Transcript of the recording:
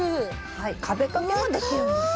はい壁掛けもできるんです。